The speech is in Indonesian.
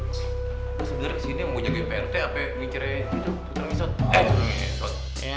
sebenernya kesini mau jagain prt apa mikirnya gitu